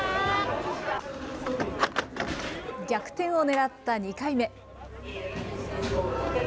逆転を狙った２回目。